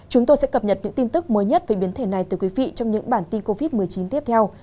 chúng tôi sẽ cập nhật những tin tức mới nhất về biến thể này từ quý vị trong những bản tin covid một mươi chín tiếp theo